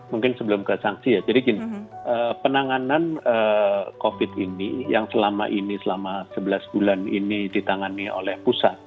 mungkin sebelum ke sanksi ya jadi gini penanganan covid ini yang selama ini selama sebelas bulan ini ditangani oleh pusat